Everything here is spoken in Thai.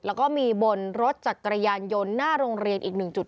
แล้วก็มีบนรถจักรยานยนต์หน้าโรงเรียนอีกหนึ่งจุด